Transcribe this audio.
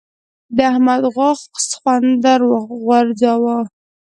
د احمد غوا سخوندر وغورځاوو.